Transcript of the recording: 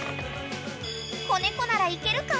［子猫ならいけるか！？］